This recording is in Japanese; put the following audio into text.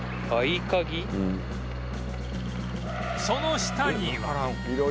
その下には